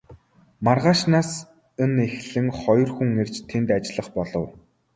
Маргаашаас нь эхлэн хоёр хүн ирж тэнд ажиллах болов.